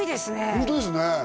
ホントですね